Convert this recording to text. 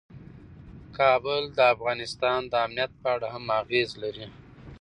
کابل د افغانستان د امنیت په اړه هم اغېز لري.